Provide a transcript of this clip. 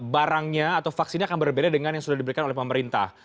barangnya atau vaksinnya akan berbeda dengan yang sudah diberikan oleh pemerintah